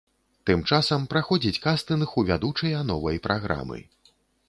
Тым часам праходзіць кастынг у вядучыя новай праграмы.